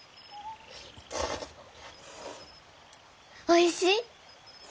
おいしい？